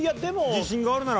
自信があるならば。